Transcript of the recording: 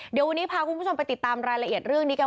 เดี๋ยววันนี้พาคุณผู้ชมไปติดตามรายละเอียดเรื่องนี้กัน